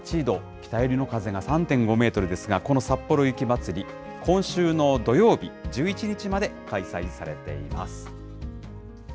北寄りの風が３．５メートルですが、このさっぽろ雪まつり、今週の土曜日、１１日まで開催されています。